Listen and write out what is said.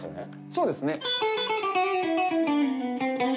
そうですね。